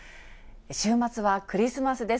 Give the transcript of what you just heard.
週末はクリスマスです。